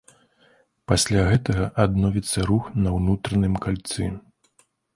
Пасля гэтага адновіцца рух на ўнутраным кальцы.